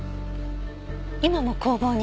今も工房に？